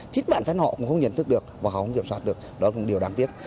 chính bản thân họ cũng không nhận thức được và họ không kiểm soát được đó là một điều đáng tiếc